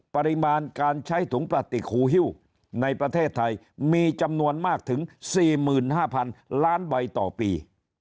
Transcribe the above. ปริมาณการใช้ถุงปลาติคูฮิ้วในประเทศไทยมีจำนวนมากถึง๔๕๐๐๐ล้านใบต่อปี